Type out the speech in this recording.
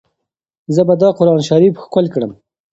زه به دا قرانشریف ښکل کړم.